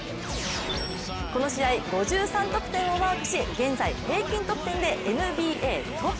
この試合、５３得点をマークし現在、平均得点でＮＢＡトップ。